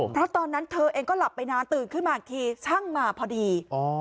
เพราะตอนนั้นเธอเองก็หลับไปนานตื่นขึ้นมาอีกทีช่างมาพอดี